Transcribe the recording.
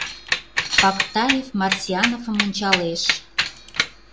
Пактаев Марсиановым ончалеш.